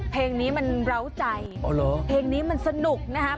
เพลงนี้มันเล้าใจเพลงนี้มันสนุกนะครับ